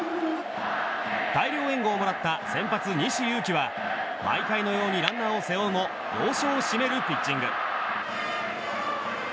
大量援護をもらった先発、西勇輝は毎回のようにランナーを背負うも要所を締めるピッチング。